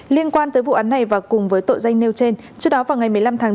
liên quan tới vụ án này và cùng với tội danh nêu trên trước đó vào ngày một mươi năm tháng chín